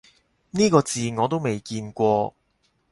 呢個字我都未見過